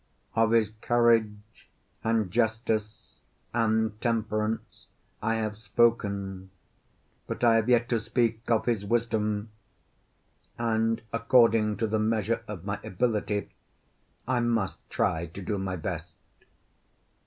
Of his courage and justice and temperance I have spoken, but I have yet to speak of his wisdom; and according to the measure of my ability I must try to do my best.